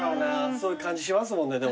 そういう感じしますもんね。